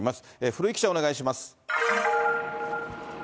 古井記者お願いします。